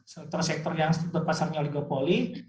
sektor sektor yang setutup pasarnya oligopoli